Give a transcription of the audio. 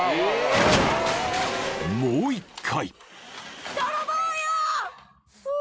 ［もう１回］